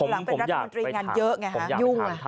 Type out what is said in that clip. หลังเป็นรัฐมนตรีงานเยอะไงฮะยุ่งน่ะคุณอนุพินผมอยากไปถาม